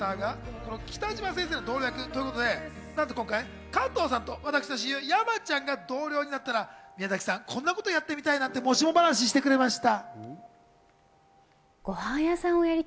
さらに岩田アナのキャラクターがこの喜多嶋先生の同僚役ということで何と今回、加藤さんと私の親友・山ちゃんが同僚になったら、宮崎さん、こんな事やってみたいなんて、もしも話してくれました。